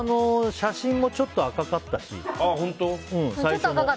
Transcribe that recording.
写真もちょっと赤かったし。